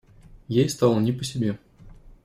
Ей стало не по себе.